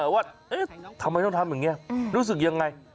ว่าทำไมต้องทำอย่างนี้รู้สึกยังไง